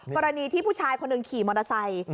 กรณีที่ผู้ชายคนหนึ่งขี่มอเตอร์ไซค์